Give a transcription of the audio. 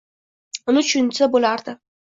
Uni tushunsa bo`lardi